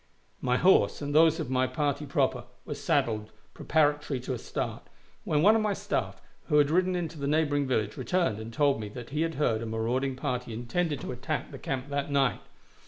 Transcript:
My horse and those of my party proper were saddled preparatory to a start, when one of my staff, who had ridden into the neighboring village, returned and told me that he had heard that a marauding party intended to attack the camp that night.